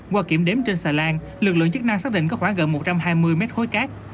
qua kiểm đếm trên xà lan lực lượng chức năng xác định có khoảng gần một trăm hai mươi mét khối cát